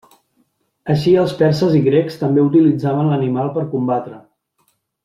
Així els perses i grecs també utilitzaven l'animal per combatre.